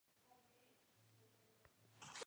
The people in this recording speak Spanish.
Estaba casada y tenía un hijo.